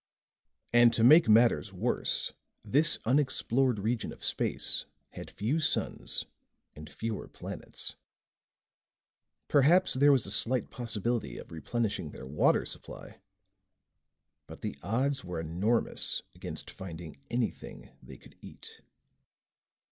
And to make matters worse, this unexplored region of space had few suns and fewer planets. Perhaps there was a slight possibility of replenishing their water supply, but the odds were enormous against finding anything they could eat.